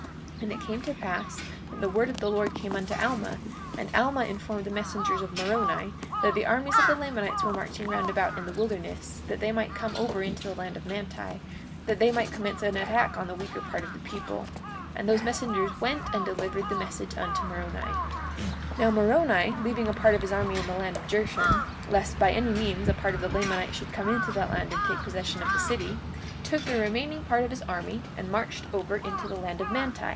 43:24 And it came to pass that the word of the Lord came unto Alma, and Alma informed the messengers of Moroni, that the armies of the Lamanites were marching round about in the wilderness, that they might come over into the land of Manti, that they might commence an attack upon the weaker part of the people. And those messengers went and delivered the message unto Moroni. 43:25 Now Moroni, leaving a part of his army in the land of Jershon, lest by any means a part of the Lamanites should come into that land and take possession of the city, took the remaining part of his army and marched over into the land of Manti.